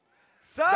さあ！